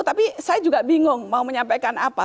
tapi saya juga bingung mau menyampaikan apa